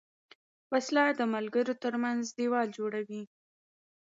وسله د ملګرو تر منځ دیوال جوړوي